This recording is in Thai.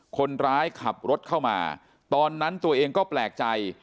คนร้ายขับรถเข้ามาตอนนั้นตัวเองก็แปลกใจ